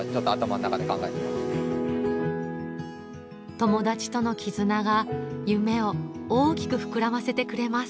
友達との絆が夢を大きく膨らませてくれます